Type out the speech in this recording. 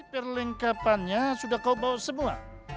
perlengkapannya sudah kau bawa semua